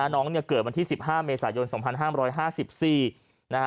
น้องเกิดวันที่๑๕เมษายน๒๕๕๔นะฮะ